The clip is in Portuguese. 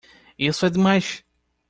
Isso é demais!